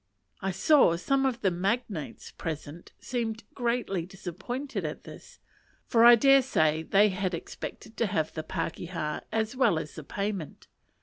I saw some of the magnates present seemed greatly disappointed at this, for I dare say they had expected to have the pakeha as well as the payment.